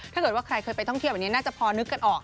ถ้าเกิดว่าใครเคยไปท่องเที่ยวแบบนี้น่าจะพอนึกกันออก